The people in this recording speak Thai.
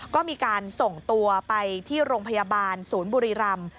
ก็มีการส่งตัวไปที่โรงพยาบาลศูนย์บุรีรำ